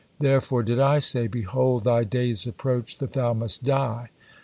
Therefore did I say, 'Behold, thy days approach that thou must die.'"